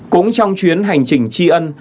cũng trong chuyến hành trình tri ân